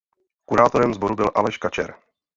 Kurátorem sboru byl Aleš Kačer.